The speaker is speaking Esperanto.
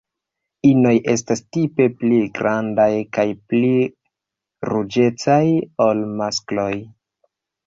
Inoj estas tipe pli grandaj kaj pli ruĝecaj ol maskloj.